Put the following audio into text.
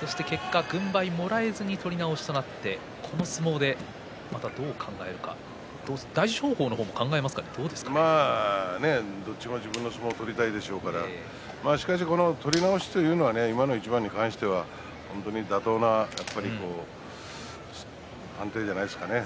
結果、軍配をもらえずに取り直しとなってこの相撲でどう考えるかどちらも自分の相撲を取りたいでしょうからしかし、この取り直しというのは今の一番に関しては本当に妥当な判定じゃないですかね。